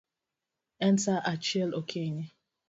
En saa achiel okinyi